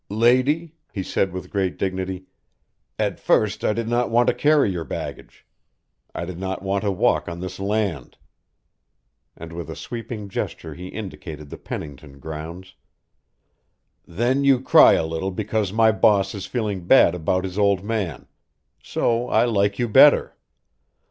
"Lady," he said with great dignity, "at first I did not want to carry your baggage. I did not want to walk on this land." And with a sweeping gesture he indicated the Pennington grounds. "Then you cry a little because my boss is feeling bad about his old man. So I like you better.